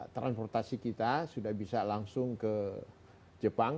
transportasi kita sudah bisa langsung ke jepang